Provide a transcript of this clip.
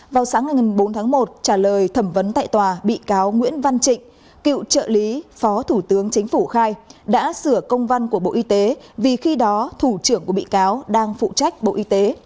vào sáng ngày bốn tháng một trả lời thẩm vấn tại tòa bị cáo nguyễn văn trịnh cựu trợ lý phó thủ tướng chính phủ khai đã sửa công văn của bộ y tế vì khi đó thủ trưởng của bị cáo đang phụ trách bộ y tế